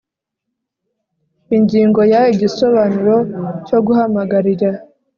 ingingo ya igisobanuro cyo guhamagarira